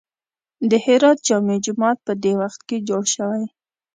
د هرات جامع جومات په دې وخت کې جوړ شوی.